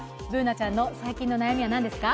Ｂｏｏｎａちゃんの最近の悩みは何ですか？